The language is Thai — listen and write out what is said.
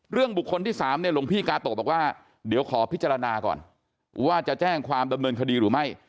บุคคลที่๓เนี่ยหลวงพี่กาโตะบอกว่าเดี๋ยวขอพิจารณาก่อนว่าจะแจ้งความดำเนินคดีหรือไม่